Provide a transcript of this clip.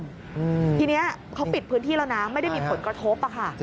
อืมทีเนี้ยเขาปิดพื้นที่แล้วนะไม่ได้มีผลกระทบอ่ะค่ะ